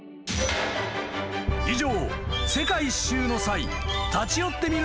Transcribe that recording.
［以上］